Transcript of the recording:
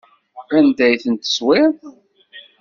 Anda ay ten-teswiḍ?